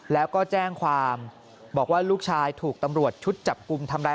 แล้วก็แจ้งความบอกว่าลูกชายถูกตำรวจชุดจับกลุ่มทำร้าย